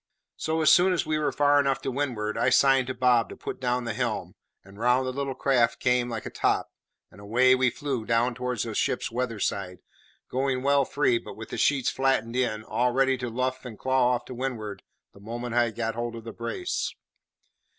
So, as soon as we were far enough to windward, I signed to Bob to put down the helm, and round the little craft came like a top, and away we flew down towards the ship's weather side, going well free, but with the sheets flattened in, all ready to luff and claw off to windward the moment I had got hold of the brace.